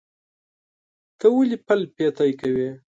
ته ولې پل پتی کوې؟